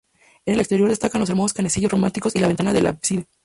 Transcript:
En el exterior destacan los hermosos canecillos románicos y la ventana del ábside.